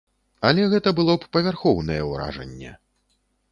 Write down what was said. Але гэта было б павярхоўнае ўражанне.